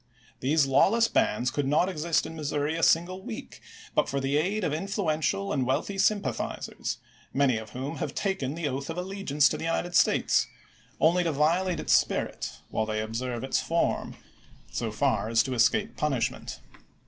These lawless bands could not exist in Missouri a single week but for the aid of influential and wealthy sympathizers, many of whom have taken the oath of allegiance to the United States — only to violate its spirit, while they observe its form — so far as to escape punish ment.